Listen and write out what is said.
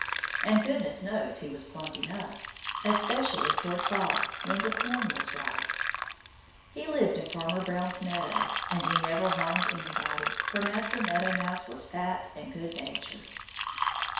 And goodness knows he was plump enough especially toward fall when the corn was ripe. He lived in Farmer Green's meadow. And he never harmed anybody. For Master Meadow Mouse was fat and good natured.